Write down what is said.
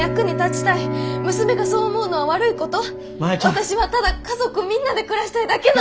私はただ家族みんなで暮らしたいだけなの！